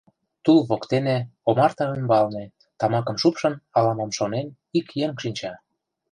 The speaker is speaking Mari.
Тул воктене, омарта ӱмбалне, тамакым шупшын, ала-мом шонен, ик еҥ шинча.